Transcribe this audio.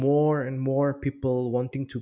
mendorong lebih banyak orang